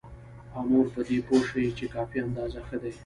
او نور په دې پوه شي چې کافي اندازه ښه دي.